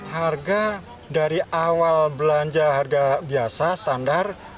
harga dari awal belanja harga biasa standar